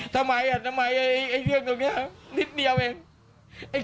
ทำไมทำไมเรื่องตรงนี้นิดเดียวเอง